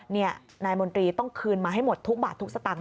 นี่นายมนตรีต้องคืนมาให้หมดทุกบาททุกสตางค